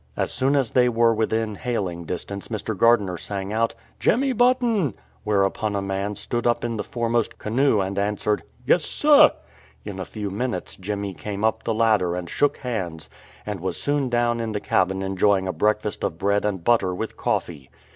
As soon as they were within hailing distance Mr, Gardiner sang out, " Jemmy Button," whereupon a man stood up in the fore most canoe and answered, " Yes, sir." In a few minutes Jemmy came up the ladder and shook hands, and was soon 259 THE BUTTON FAMILY down in the cabin enjoying a breakfast of bread and butter with coffee.